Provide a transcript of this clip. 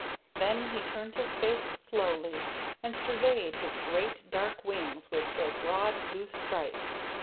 Then he turned his face slowly and surveyed his great dark wings with their broad blue stripes.